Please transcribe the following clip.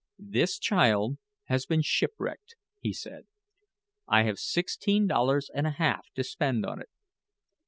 "This child has been shipwrecked," he said. "I have sixteen dollars and a half to spend on it.